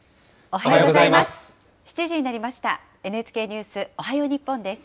おはようございます。